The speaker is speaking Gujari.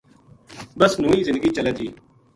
بس نوہی زندگی چلے تھی